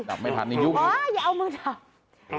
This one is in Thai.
ดับไม่พันยุคอยู่อย่าเอามือดับ